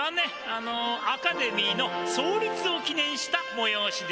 あのアカデミーの創立を記念したもよおしです。